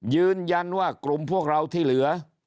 ยืนยันว่ากลุ่มพวกเราที่เหลือ